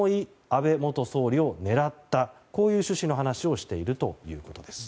安倍元総理を狙ったという趣旨の話をしているということです。